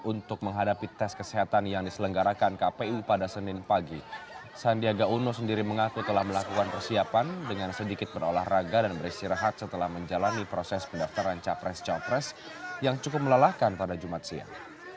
untuk menghadapi tes kesehatan yang diselenggarakan kpu pada senin pagi sandiaga uno sendiri mengaku telah melakukan persiapan dengan sedikit berolahraga dan beristirahat setelah menjalani proses pendaftaran capres capres yang cukup melelahkan pada jumat siang